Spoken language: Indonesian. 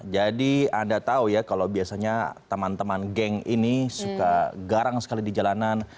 jadi anda tahu ya kalau biasanya teman teman geng ini suka garang sekali di jalanan